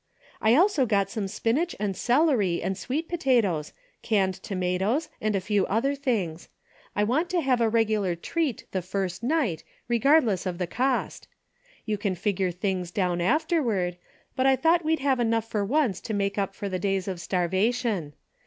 I also got some spinach and celery and sweet potatoes, canned tomatoes and a few other things. I want to have a regular treat the first night re gardless of the cost. Y ou can figure things down afterward, but I thought we'd have enough for once to make up for thodays of starvation.